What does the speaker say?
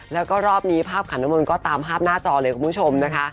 แล้วก็รอบนี้ภาพขันน้ำมนต์ก็ตามภาพหน้าจอเลยคุณผู้ชมนะคะ